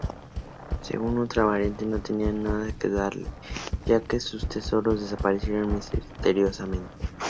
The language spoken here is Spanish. Según otra variante, no tenía nada que darle, ya que sus tesoros desaparecieron misteriosamente.